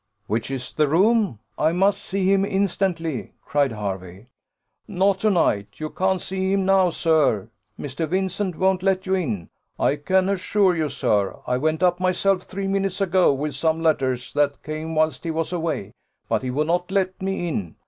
"Which is the room? I must see him instantly," cried Hervey. "Not to night you can't see him now, sir. Mr. Vincent won't let you in, I can assure you, sir. I went up myself three minutes ago, with some letters, that came whilst he was away, but he would not let me in.